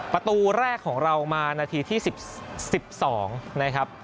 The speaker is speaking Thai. ประตูแรกของเรามานาทีที่๑๒นะครับ